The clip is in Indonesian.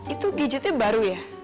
itu gadgetnya baru ya